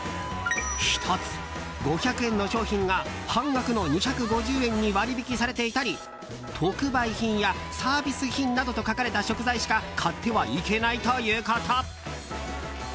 １つ、５００円の商品が半額の２５０円に割引されていたり特売品やサービス品などと書かれた食材しか買ってはいけないということ。